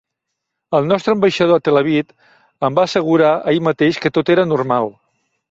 El nostre ambaixador a Tel Aviv em va assegurar ahir mateix que tot era normal.